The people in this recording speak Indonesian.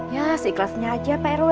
ya seikhlasnya aja pak erul